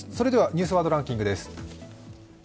「ニュースワードランキング」です。